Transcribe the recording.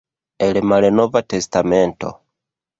El Malnova Testamento.